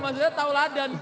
maksudnya tauladan kan